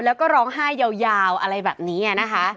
แล้วก็ร้องไห้ยาวอะไรแบบนี้นะคะ